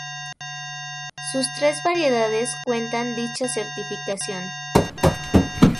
Sus tres variedades cuentan dicha certificación.